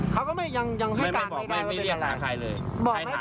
เขาก็ยังให้การไม่ได้ว่าเป็นอะไรไม่บอกไม่เรียกหาใครเลย